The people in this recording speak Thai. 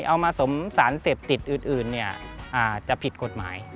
เอามาสมสารเสพติดอื่นอาจจะผิดกฎหมาย